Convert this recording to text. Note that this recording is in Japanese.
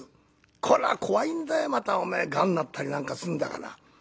こら怖いんだよまたおめえがんになったりなんかするんだから。